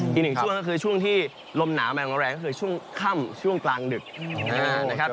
อีกหนึ่งช่วงก็คือช่วงที่ลมหนาวมาแรงก็คือช่วงค่ำช่วงกลางดึกนะครับ